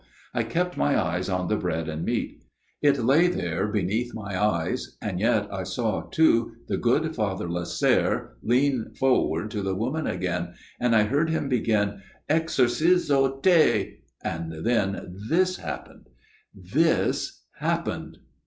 I kept my eyes on the bread and meat. It lay there, beneath my eyes, and yet I saw too the good Father Lasserre lean forward to the woman again, and heard him begin, * Exorcizo U? ..." And then this happened this happened